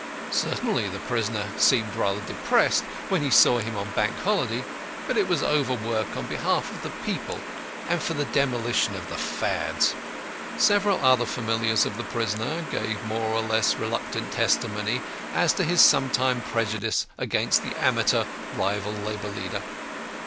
Certainly the prisoner seemed rather depressed when he saw him on Bank Holiday, but it was overwork on behalf of the people and for the demolition of the Fads. Several other familiars of the prisoner gave more or less reluctant testimony as to his sometime prejudice against the amateur rival labour leader.